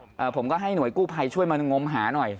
ผมก็ให้หน่วยกู้ภัยช่วยมางมหาหน่อย